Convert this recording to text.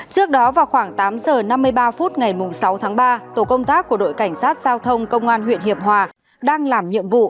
trước đó vào khoảng tám giờ năm mươi ba phút ngày sáu tháng ba tổ công tác của đội cảnh sát giao thông công an huyện hiệp hòa đang làm nhiệm vụ